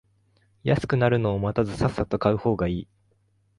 安くなるのを待たずさっさと買う方がいい